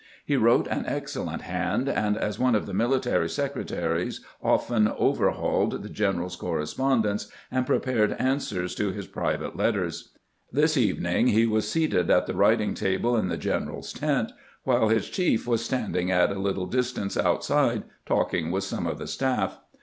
He wrote an excellent hand, and as one of the military secretaries often over 208 CAMPAIGNING WITH GRANT hauled the general's correspondence and prepared an swers to his private letters. This evening he was seated at the writing table in the general's tent, while his chief was standing at a little distance outside talk ing with some of the staff.